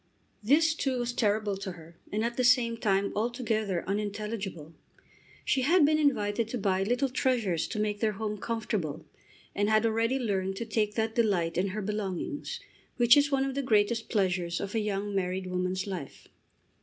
This, too, was terrible to her, and at the same time altogether unintelligible. She had been invited to buy little treasures to make their home comfortable, and had already learned to take that delight in her belongings which is one of the greatest pleasures of a young married woman's life.